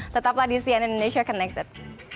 tetaplah di cnn indonesia connected